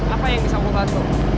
apa yang bisa mutasuk